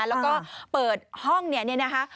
แล้วก็เปิดห้องเนี่ยนี่นะคะ